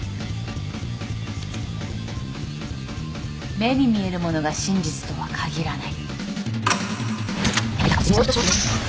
目に見えるものが真実とは限らない。